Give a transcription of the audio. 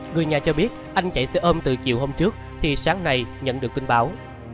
người nhà cho biết anh chạy xe ôm từ chiều hôm trước thì sáng nay nhận được tin báo